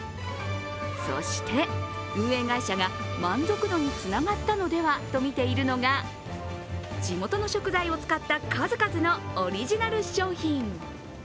そして運営会社が満足につながったのではと見ているのが地元の食材を使った数々のオリジナル商品。